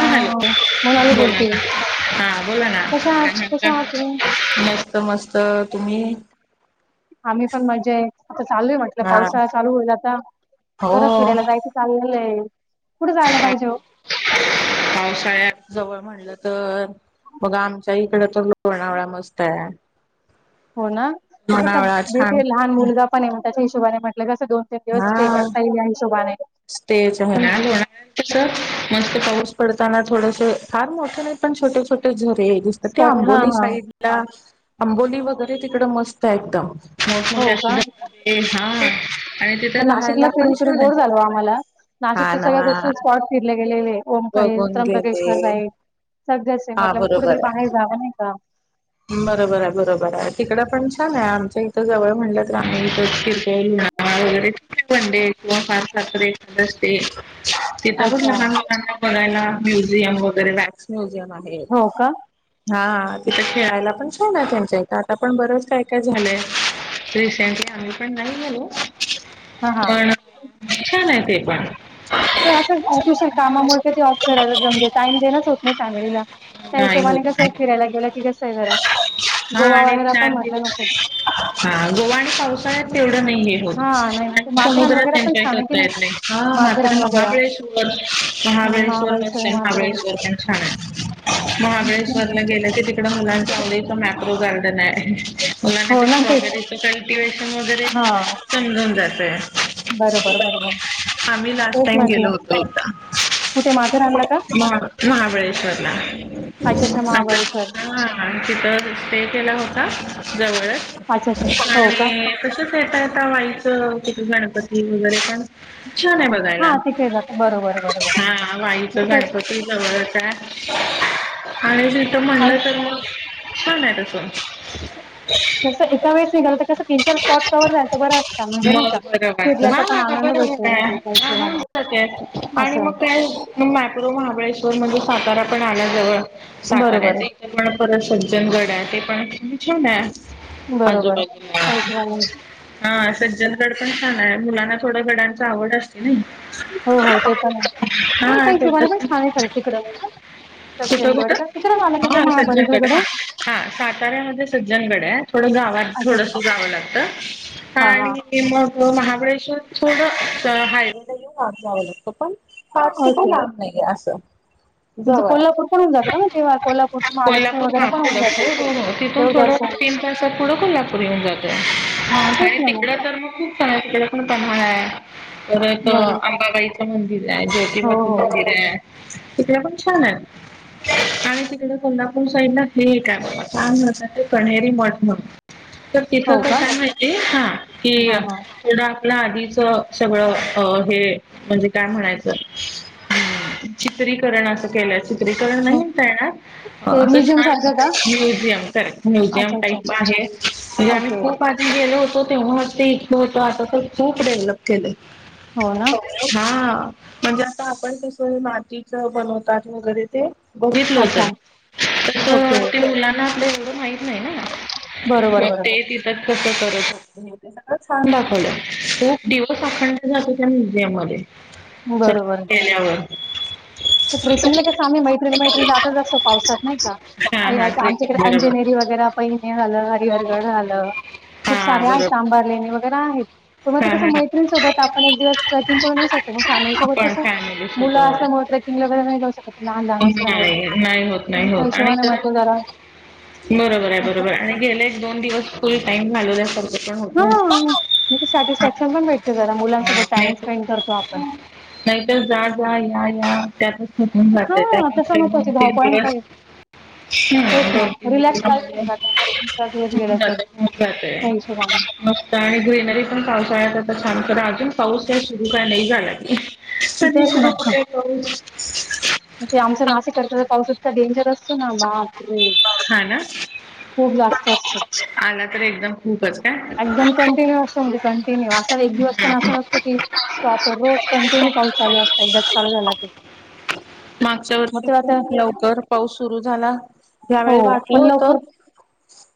हा हा मनाने बोला ना बोलते हा बोला ना कशा आहात काय कशा आहात तुम्ही म्हणता मस्त, मस्त तुम्ही? आम्ही पण मजेत आहे आता चालू आहे म्हटलं हा पावसाळा चालू होईल आता जरा हो फिरायला जायच चाललेलंय. पावसाळ्यात जवळ म्हटलं तर बघा आमच्याही कड तर लोणावळा मस्त आहे हो ना तसेच लोणावळा छान लहान मुलगा पण आहे त्याच्या हिशोबाने म्हटलं कस- दोन तीन दिवस स्टे हा करता येईल ह्या हिशोबाने- तेच पण होणार होणार तर. नते पाऊस पडताना थोडसे फार मोठं नाही पण छोटे छोटे झरे.. ते दिसत ते स्पॉट हा आंबोली हा साईड ला आंबोली वगैरे तिकड मस्त एकदम- मोठ हो मोठ्या का सुद्धा हा आणि तिथे राहायला पण छान आहे. हा नाशिकचे ना सगळ्या गोष्टी स्पॉट फिरले गेलेले ओम कहेल बघून त्र्यंबकेश्वर गेले साईड.. सध्याचे हा म्हटलं कुठेतरी बरोबर बाहेर आहे जाव नाही का.. बरोबर आहे बरोबर आहे तिकडं पण छान आहे आमच्या इथं जवळ म्हणलं आम्ही इथे- वगैरे पणडे किंवा फार पाहण्यासारखे असते. तिथं पण अच्छा लहान मुलांना बघायला म्युझियम वगैरे- म्युझिअम आहे हो का हा तिथ- खेळायला पण छान आहे त्यांच्या इथं आता पण बरच काय काय झालंय रिसेंटली आम्ही पण नाही गेलो हा हा पण छान आहे ते. [unintelligible] ते असं पुरुषांना कामामुळे का ते ऑफ करायला म्हणजे टाईम देणच होत नाही फॅमिलीला त्या नाही हिशोबाने होत कसं नाही फिरायला गेलं की कस हा आणि चार म्हटलं नको. दिवस हा गोवा आणि पावसाळ्यात तेवढ हो हा नाही ना ते माथेरान समुद्र वगैरे पण एनजय छान आहे की करता येत नाही हा मात्र माथेरान वगैरे महाबळेश्वर- हम्म महाबळेश्वर नसते माथेरान. महाबळेश्वर पण छान आहे महाबळेश्वरला गेलं की तिकड- मुलांना चांगले ईथे मॅप्रो गार्डन आहे. मलाना हो ते ना तेच स्ट्रॉबेरीच कल्टि कॅन्टीवे्शन वगैरे हा समजून जातय. बरोबर बरोबर..... आम्ही लास्ट तेच टाइम गेलो म्हटलं होतो. कुठे माथेरानला का? महा महाबळेश्वर ला.. अच्छा अच्छा महाबळेश्वर हा तिथं स्टे केला होता. जवळ अच्छा अच्छा हो का आणि कस सेट.. कता वाईच तिथ गणपती वगैरे पण छान आहे बघायला.. हा तिकडे जात बरोबर बरोबर. हा वाईच तिकडच गणपती जवळच आहे आणि.. आणि.. म्हणलं तर मग छान आहे तस. जसं एका वेळेस निघाल तर कस तीन चार स्पॉट कवर झाल तर बरं असतात म्हणजे नाही का फिरल्याचा पण आनंद. होतो भेटतो ना त्या हिशोबाने आणि मग असं काय माहा महाबळेश्वर. महाबळेश्वर म्हणजे सातारा पण आला जवळ साताऱ्या बरोबर आहे चे. परत सज्जनगड आहे ते पण् खुप छान आहे. आजू बरोबर आहे बाजूला त्या हिशोबाने हा सज्जनगड पण छान आहे मुलांना-. थोड गाडाचे आवड असत की नाई. हो हो ते पण आहे हा त्या हिशोबाने पण छान आहे खरंच तिकडं सज्जनगड का तिकडे मला. हा सज्जनगड हा हा साताऱ्यामध्ये सज्जनगड आहेत. थोडं गावात अच्छा थोडस अच्छा जावं लागतं हा आणि मग. महाबळेश्वर थोडं हायवे ला येऊन आग जाव लागतो पण. फार खूप लांब नाहीे असं. तुमंच जवळ आहे. कोल्हापूर कडुन जातं ना तेव्हा कोल्हापूर च.. कोल्हापूर ह तिथून थोडं देवदर्शन तीन तासात पुथडं कोल्हापूर येऊन जातोय. हा आणि तेच ना तिकडं तर मग खूप चांग तिकडं.. पण पम्हा आहे परत बरं आंबाबाईचं मंदिर आहे हो ज्योतिबाात हो मंदिर आहे.. तथडे पण छान आहे आणि. कोल्हापूर साईडला हे एक आहे तान म्हत ते कनहेरी मठ म्हणून. तर तिथं हो तर का काय माहिती आहे हा कि हा हा थोडं आपल्या आधी.. सगळं हे म्हणजे काय म्हणायचं. चित्रीकरण असं केलंय चित्रीकरण हो नाहीताय ना. ते असं म्युझियम छान सारखं का म्युझियम करे म्युझियम अच्छा अच्छा टाईप आहे म्हे आम्ही ओके. खूप अजून घेऊ.. हो तेव्हा ते इथक होत आता तर खूप डेव्हलप केलं हो ना? हा म्हणजे आता आपण कस मातीच बनवतात वगैरे ते बघितलंत अच्छा. होत ओके. तस ते मुलांना आपल्या एवढं माहत नाही ना बरोबर, म ते बरोबर. तिथं गछान दाखवलं खूप दिवस अखंड जातो त्या म्युझियम मध्ये सत केल्यावर स ट्रेकिंगला कसं आम्ही मैत्रिला मैत्रणी जात जास्त पावसात नाही का हा हा आमच्याकडे ट्रेकिंग बरोबर अंजनेरी वगैरे पहिने झालं हरिहरगड झालं हा खूप सारे आहेत बरोबर संबार लेणे वगैरे आहेत. पण मग ते हा हा कसं मैत्रींसोबत आपण एक दिवस ट्रेकिंग करून येेऊ शकतो मग फॅमिली सोबत आपण कसं फॅमिली मुलं असं. सोबत सिंह गड नाही जाऊ शकत लहान लहान असल्यामुळे.. नाही नाही होत मग नाही त्या होत आणि हिशोबाने [inaudible] म्हटलं जरा बरोबर आहे असं बरोबर आहे आणि गेले एक दोन दिवस.. टाईम घालवल्या सार. हा सॅटिस्फॅक्शन पण भेटते जरा मुलांसोबत टाइम स्पेंड करतो आपण. नाही तरर जा जा या या. त्यातच थकून हा जाते तसं नकोच धाव पॉईंट पा. हम् दोन तीन दिवसामध्ये जाते जर तुमचा दिवस होउन गेला तर जाते होऊन जाते. त्या हिशोबाने मस्त आणि ग्रीनरी पण पावसाळ्यात. छान क अजून पाऊस काय सुरू काय नाही झाला की पाऊस.. आमच नाशिक अता तर पाऊसतका डेंजर असतो ना बापरे.. हा ना खूप जास्त असत आला तर एकदम खूपच का एकदम कंटिन्यू असतो म्हणजे कंटिन्यू असा एक दिवस पण असं नसतं की शॉप रोज कंटिन्यू पाऊस चालू असता एकदाच चालू झाला ते मागच्या वर्षी खूप लवकर पाऊस सुरू झाला हो यावेळी वाटलं पण लवकर होत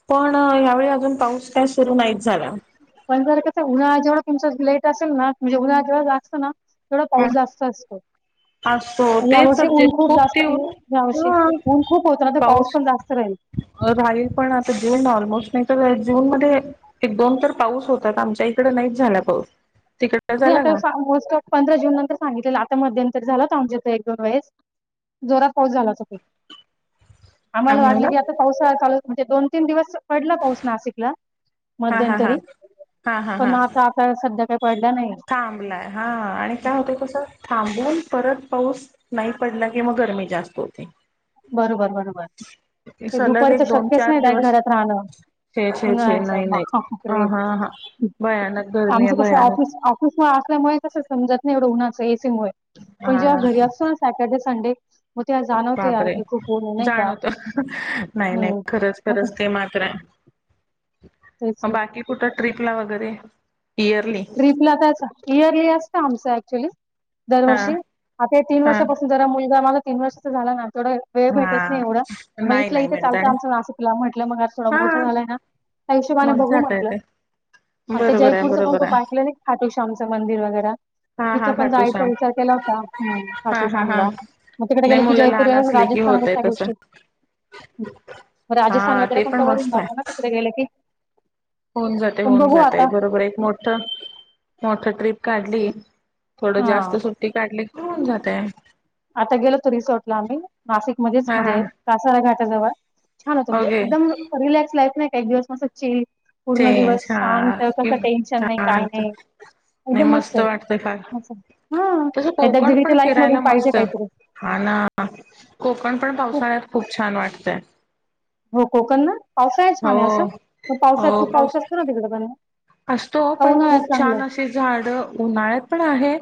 पण ह्यावेळी अजून पाऊस काय सुरू नाहीत झाला पण जर कसं उन्हाळा जेवळ तुमचं लेट असेल ना एवढा जोर लागतो न थोडा पाऊस जास्त असतो असो तेच यावर्षी जे ऊन खूप जास्त तीव्र [unintelligible] यावर्षी ह ऊन खूप होत तर पाऊस पण जास्त राहील राहील पण आता जेऊन ना ऑलमोस्ट नाही तर जून मध्ये एक दोन तर पाऊस होतात आमच्या इकड नाहीच झाला पाऊस तिकडे नाही झाला आता का अस आलमोस्ट पंधरा जून नंतर सांगितलेलं आता मध्यंतर झालंत आमच्या इत एक दोन वेळेस जोरात पाऊस झाला त ख काय आम्हाला वाटलं म्हणाला की आता पावसा चालू म्हणजे दोन तीन दिवस पडला पाऊस नाशिकला हा हा हा मध्यंतरी हा हा पण हा आता आता सध्या का थांबलाय हा आणि काय होतय कसं थांबून परत पाऊस नाही पडला किं मग गरमी जास्त होते [inaudible] सलग दुपारच एक दोन शक्यच चार नाही बाई दिवस घरात राहणं [inaudible] छे छे छे नाही नाही ह हा हा भयानक गरमी आमच आहे कस भयानक ऑफिस ऑफिस ह्या असल्यामुळे कस समजत नाही रुग्णाच एसीमुळे पण जेव्हा हा घरी असतो ना सॅटर्डे संडे मग ते जाणवते की खूप ऊन आहे नाही का जाणवतो नाही नाही हम्म खरंच मग खरंच ते मात्र आहे तेच म बाकी कुठं ट्रिप ला वगैरे इयरली ट्रिपला त्या इयरली अस का आमचं ऍक्च्युली हा दरवर्षी आता या तीन हा वर्षापासून जरा मुलगा माझा तीन वर्ष झाला ना तेोडा वेळ हा भेटत नाही एवढं नाही मटलं नाही इथे मिळत चालतं आणि आमच ना तुला म्हटलं मग थोड हा मोठं झालाय ना त्याविषय मा मग बघू जाता म्हटलं येतय आणि ते ज बरोबर आहे पुढं पण बरोबर खूप आहे ऐकलं नाही खाटो श्यामचं मंदिर वगैरे हा तिथे हा पण खाटू जायचा श्याम विचार केला होता हा काठी हा हा सामला मग तिकडे नाही गेले की मुलं जयपूर ये लहान असली राजे की होतय तसं राजस्थान हा वगैरे ते कोणत पण वरून मस्त जातो ना आहे तिकडे गेले की होऊन जातय पण होऊन बघू आता जातय बरोबर एक मोठ मोठ ट्रिप काढली. थोडं हा जास्त सुट्टी काढली की होऊन जातय. आता गेलो होतो रिसोर्टला आम्ही नाशिक मध्येच हा हा म्हणजे कासारा घाटाजवळ छान होतं म्हणजे ओके एकदम रिलॅक्स लाईफ नाय का एक दिवस मस्त चिल पूर्ण चेंज दिवस हा शांत कसं टेन्शन नाही काय शांत नाही. नाही एकदम मस्त वाटतय फार ये हा तसं कोकण एकदा [unintelligible] पण लाईफ मधून फिरायला पाहिजे मस्त काहीतरी हा ना कोकण पण पावसाळ्यात खूप छान वाटतंय. हो कोकण ना पावसा आहे छान हो आहे असंग पावसात हो तू पाऊस पावसच तिकड पण असतो का पण खूप उन्हाळ्यात चांगलं छान आहे असे झाड उन्हाळ्यात पण आहे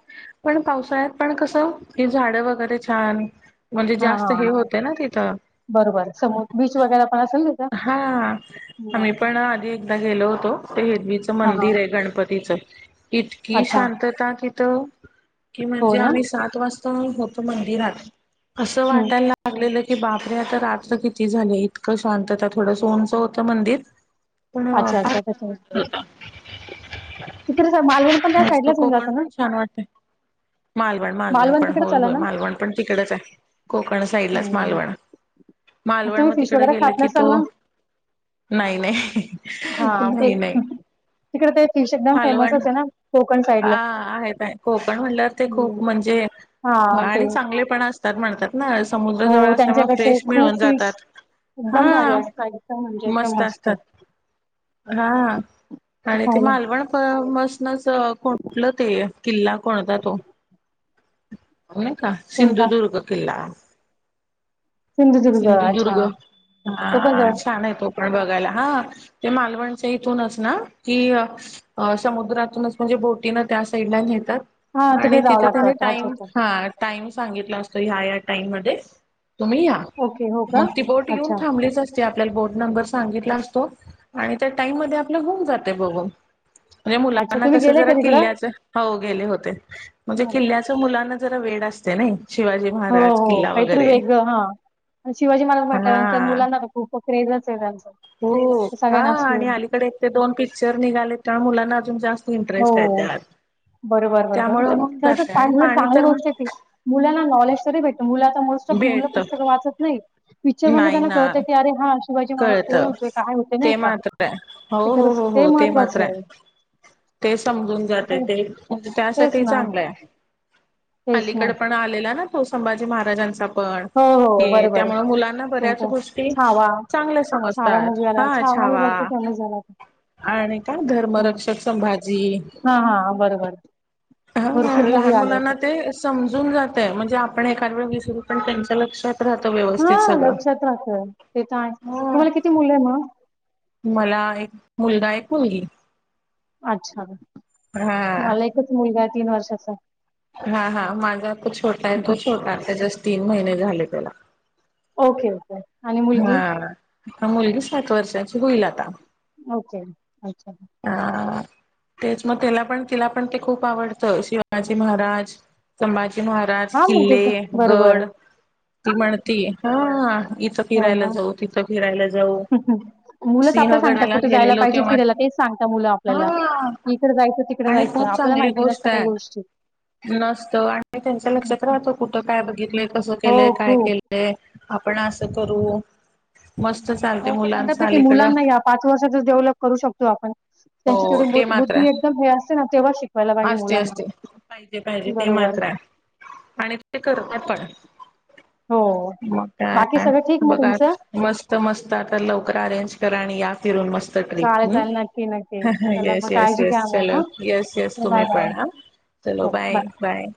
पण पावसाळ्यात पण कस हे झाड वगैरे छान म्हणजे हा हा जास्त हे हा होते ना तिथं बरोबर समोर बीच वगैरे पण असेल तिथं हा आम्ही पण आधी एकदा गेलो होतो हेदवीचं हा हा मंदिर आहे गणपतीचं इतकी अच्छा शांतता तिथं की हो म्हणजे ना आम्ही सात वाजता होत मंदिरात असं हम्म वाटायला लागलेलं की बापरे आता रात्र किती झाले इतकं शांतता थोडं सोनच होतं मंदिर पण अच्छा काय अच्छा त्याच्या वाट तिकडे मालवण पण त्या मस्त साईडलाच येऊन कोकण जातं ना पण छान वाटत माल मालवण मालवण पण तिकडेच होय आलं होय ना मालवण पण तिकडेच आहे कोकण साईड लाच हम्म मालवण मालवण म तिकड गेले सांगा नाही नाही नाही नाही. तेच तिकडे ते फिश एकदम मालवण फेमसच आहे ना कोकण आ साईडला. आहेत आहे कोकण म्हणल्या ते हम्म. खूप म हा ते आणि चांगले पण असतात म्हणतात. नाय समुद्र जवळ हो असल्यामुळे त्यांच्याकडचे फ्रेश मिळून खूप जातात. फिश हा एकदम भारी असतात एकदम म्हणजे एकदम मस्त असतात. ते हा आणि ते खायला मालवणपसनच कुठलं ते किल्ला कोणता तो? नाय का कोणता सिंधुदुर्ग किल्ला. सिंधुदुर्ग अच्छा. तो पण हा जवळ छान आहे तो पण. बघायला हा ते मालवणच्या इथुनंच ना की अ समुद्रातूनच म्हणजे बोटीनं त्या साईडला नेतात हा आणि तिकडे जावं तिथं का लागतं नाय वाटतं अच्छा टाईम अच्छा हा टाईम सांगितला असतो ह्या या टाईम मध्ये तुम्ही या ओके हो म का ती बोट येऊन अच्छा थांबलीच अस ते आपल्याला बोट नंबर सांगितला असतो आणि त्या टाईम मध्ये आपल होऊन जातय बघून. म्हणजे अच्छा मुलांना तुम्ही कस गेलाय जरा का तिकडं किल्ल्याच हो गेले होते म्हणजे हो किल्ल्याच मुलांना जरा वेड असतय नय. हो हो काहीतरी वेग हा शिवाजी महाराज म्हंट त्यानंतर हा मुलांना खूप क्रेजच ये त्यांचं हो ते हा सगळ्यांना असं आणि अलीकडे एक ते दोन पिक्चर निघालेत त्या मुलांना अजून जास्त इंटरेस्ट आहे हो त्यात. बरोबर बरोबर त्यामुळे होऊन त्याच जाते पाठ आणि म्हण पाणी चांगली तर गोष्ट आहे ती मुलांना नॉलेज तरी भेटत मुलं आता मोस्ट ऑफ मुलं मिळत पुस्तक वाचत नाहीत पिक्चर मधल नाही त्यांना ना कळत की अरे हा शिवाजी महाराज कळत कोण होते काय होते नाय ते का मात्र आहे ते हो हो खरंच हो ते हो मात्र महत्त्वाचं आहे. [inaudible] ते समजून जाते ते तेच त्यासाठी ना चांगलं य. तेच ना अलीकड पण आलेला ना तो संभाजी महाराजांचा पण हो हो हे बरोबर त्यामुळ मुलांना बऱ्याच कोणता? गोष्टी छावा चांगल्या समजतात हाचं होय भरपूर फेमस झाला तो. आणि तो धर्मरक्षक संम हा हा बरोबर. ह. भरपूर मूवी लहान आले मुलांना होते. ते समजून जातय. म्हणजे आपण एखाद वेळ विसरू पण त्यांच्या लक्षात- राहतं हा व्यवस्थित सगळं. लक्षात राहतंय. ते तर आहे. तुम्हाला किती मुलं आहे मग? मला एक मुलगा एक मुलगी. अच्छा. हा. मला एकच मुलगा आहे तीन वर्षाचा. हा हा माझा तो छोटा आहे तो छोटा. आत्ता जस्ट तीन महिने झाले त्याला. ओके ओके आणि मुलगी? हा मुलगी सात वर्षाची होईल आता. ओके अच्छा अ तेच म तेला पण तिला पण ते खूप आवडतं शिवाजी महाराज संभाजी महाराज, हा मुलगीच किल्ले, बरोबर गड ती म्हणती. हा इथं हो फिरायला ना. जाऊ तिथं फिरायला जाऊ मुलंच आपल्याला सांगतात सिंहगडाला कुठे जायला गेलेलो पाहिजे तेव्हा फिरायला ती तेच सांगता मुलं आपल्याला की इकड जायचं तिकड आणि जायचं खूप आपल्याला चांगली माहिती नसत गोष्ट काही आहे गोष्टी. नसतं आणि त्यांच्या लक्षात अच्छा. राहतो कुठ काय बघितलंय कसं हो केलंय काय खूप केलंय. आपण आसं करू. मस्त चालते हो ते म्हणतात मुलांच ना की अलीकडं मुलांना या पाच वर्षातच डेव्हलप करू शकतो आपण त्यांची हो तेवढी ते मात्र बुद्धी आहे एकदम हे असते ना तेव्हा शिकवायला पाहिजे असते मुलांना असते पाहिजे पाहिजे ते बरोबर मात्र आहे आणि ते करत पण हो. मग बाकी काय सगळं ठीक मग बघा तुमचं? मस्त मस्त आता लवकर अरेंज कर प्रणी या फिरून मस्त. ट्रिप चालेल चालेल नक्की नक्की चला मग येस येस काळजी घ्या येस चल मग हा येस येस तुम्ही बाय पण हां. [inaudible] हो बाय. बाय.